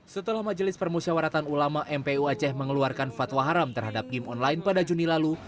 setelah majelis permusyawaratan ulama mpu aceh mengeluarkan fatwa haram terhadap game online pada juni lalu